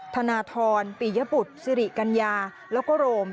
ธนทรปิยบุตรสิริกัญญาแล้วก็โรม